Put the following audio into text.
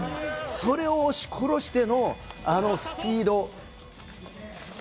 それを押し殺してのあのスピード。